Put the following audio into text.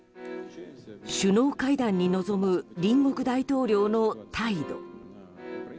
首脳会談に臨む隣国大統領の態度。